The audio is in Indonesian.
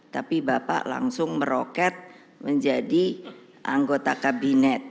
tapi bapak langsung meroket menjadi anggota kabinet